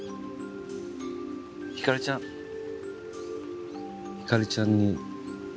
ひかりちゃんひかりちゃんに。